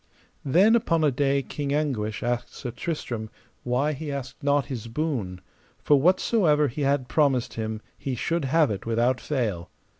Then upon a day King Anguish asked Sir Tristram why he asked not his boon, for whatsomever he had promised him he should have it without fail.